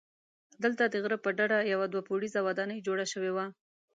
دلته د غره پر ډډه یوه دوه پوړیزه ودانۍ جوړه شوې وه.